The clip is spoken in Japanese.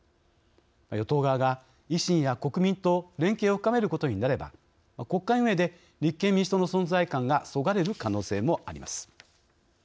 与党側が維新や国民と連携を深めることになれば国会運営で立憲民主党の存在感がそがれる可能性もあります。